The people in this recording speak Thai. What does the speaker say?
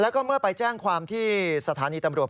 แล้วก็เมื่อไปแจ้งความที่สถานีตำรวจ